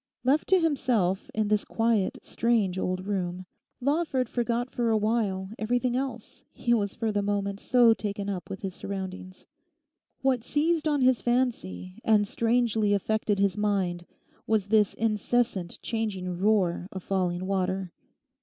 Left to himself in this quiet, strange old room, Lawford forgot for a while everything else, he was for the moment so taken up with his surroundings. What seized on his fancy and strangely affected his mind was this incessant changing roar of falling water.